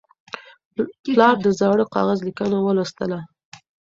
پلار د زاړه کاغذ لیکنه ولوستله.